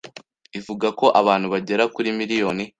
ivuga ko abantu bagera kuri miliyoni